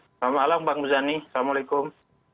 selamat malam bang muzani assalamualaikum